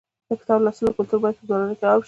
د کتاب لوستلو کلتور باید په ځوانانو کې عام شي.